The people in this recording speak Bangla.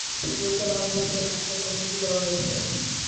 গুরুতর আহত অবস্থায় তাঁকে হাসপাতালে ভর্তি করা হয়েছে।